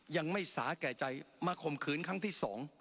ยังไม่สาแก่ใจมาข่มขืนครั้งที่๒